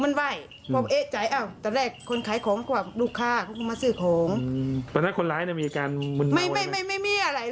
เพราะฉะนั้นคนร้ายมีอาการมึ้นแหล่วอะไรไหม